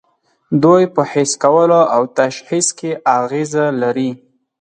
دوی په حس کولو او تشخیص کې اغیزه لري.